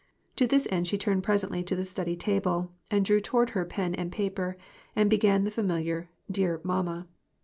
To this end, she turned presently to the study table, and drew toward her pen and paper, and began the familiar "Dear mamma."